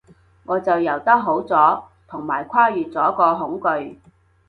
我就游得好咗，同埋跨越咗個恐懼